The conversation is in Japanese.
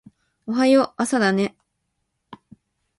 おはよう朝だね